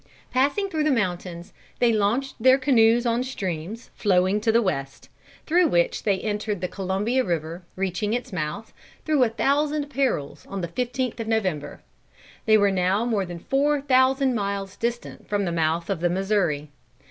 Passing through the mountains they launched their canoes on streams flowing to the west, through which they entered the Columbia river, reaching its mouth, through a thousand perils on the 15th of November. They were now more than four thousand miles distant from the mouth of the Missouri.